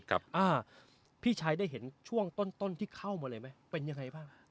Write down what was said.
อ่าพี่ชายได้เห็นช่วงต้นต้นที่เข้ามาเลยไหมเป็นยังไงบ้าง